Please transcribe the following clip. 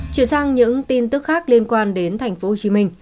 chuyển sang những tin tức khác liên quan đến tp hcm